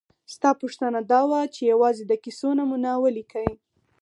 ستا پوښتنه دا وه چې یوازې د کیسو نومونه ولیکئ.